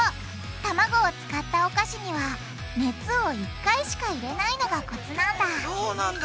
たまごを使ったお菓子には熱を１回しか入れないのがコツなんだそうなんだ！